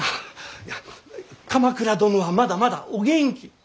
鎌倉殿はまだまだお元気。